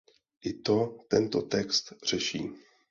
I to tento text řeší.